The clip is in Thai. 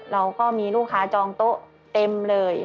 เราก็มีลูกค้าจองโต๊ะเต็มเลย